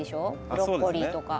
ブロッコリーとか。